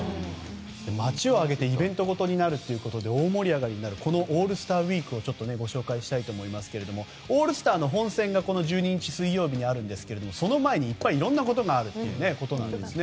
街を挙げてイベントごとになるので大盛り上がるになるというこのオールスターウィークをご紹介したいと思いますがオールスターの本戦が１２日、水曜日にあるんですがその前にいろんなことがあるんですね。